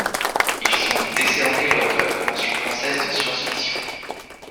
Ils sont décernés lors de la convention française de science-fiction.